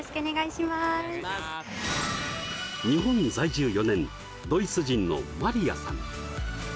日本在住４年ドイツ人のマリアさん